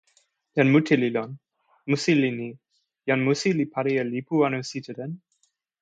jan mute li lon！musi li ni: jan musi li pali e lipu anu sitelen.